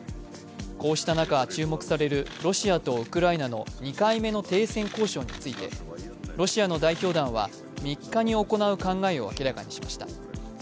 こうした中、注目されるロシアとウクライナの２回目の停戦交渉についてロシアの代表団は３日に行う考えを明らかにしました。